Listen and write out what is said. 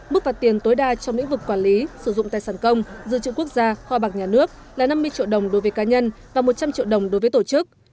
mức phạt tiền tối đa trong lĩnh vực quản lý sử dụng tài sản công dự trữ quốc gia kho bạc nhà nước là năm mươi triệu đồng đối với cá nhân và một trăm linh triệu đồng đối với tổ chức